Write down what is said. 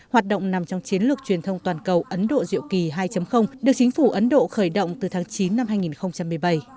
hoạt động nằm trong chiến lược truyền thông toàn cầu ấn độ diệu kỳ hai được chính phủ ấn độ khởi động từ tháng chín năm hai nghìn một mươi bảy